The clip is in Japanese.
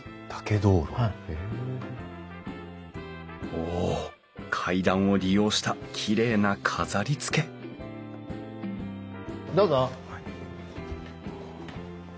お階段を利用したきれいな飾りつけどうぞ。